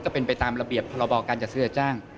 ไปตามระเบียบพรบการจัดซื้อจัดจ้าง